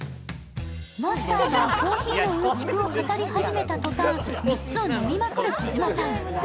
マスターがコーヒーのうんちくを語り始めた途端、３つを飲みまくる児嶋さん。